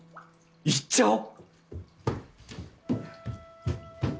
行っちゃおう！